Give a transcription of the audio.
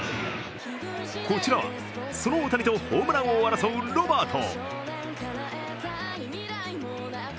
こちらは、その大谷とホームランを争うロバート。